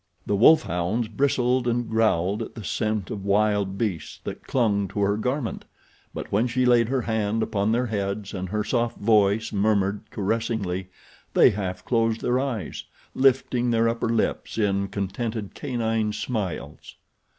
The wolf hounds bristled and growled at the scent of wild beasts that clung to her garment; but when she laid her hand upon their heads and her soft voice murmured caressingly they half closed their eyes, lifting their upper lips in contented canine smiles.